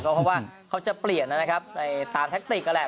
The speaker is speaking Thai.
เพราะว่าเขาจะเปลี่ยนนะครับในตามแทคติกนั่นแหละ